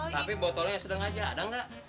tapi botolnya sedang aja ada nggak